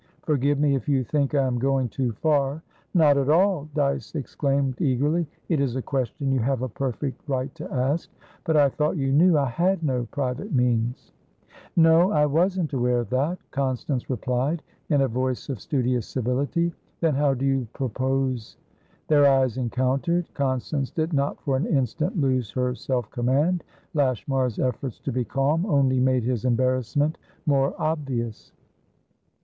"Forgive me if you think I am going too far" "Not at all!" Dyce exclaimed, eagerly. "It is a question you have a perfect right to ask. But I thought you knew I had no private means." "No, I wasn't aware of that," Constance replied, in a voice of studious civility. "Then how do you propose?" Their eyes encountered. Constance did not for an instant lose her self command; Lashmar's efforts to be calm only made his embarrassment more obvious.